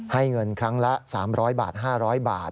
เงินครั้งละ๓๐๐บาท๕๐๐บาท